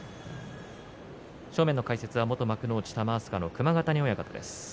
正面の解説は元幕内玉飛鳥の熊ヶ谷親方です。